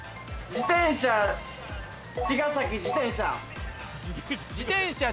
自転車、茅ヶ崎、自転車。